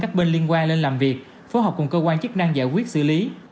các bên liên quan lên làm việc phối hợp cùng cơ quan chức năng giải quyết xử lý